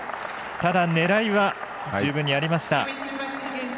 ただ、狙いは十分にありました。